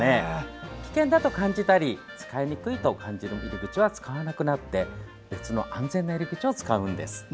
危険だと感じたり使いにくかったりする入り口は使わなくなって別の安全な入り口を使うんです。